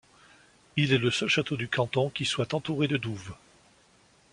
Il est le seul château du canton qui soit entouré de douves.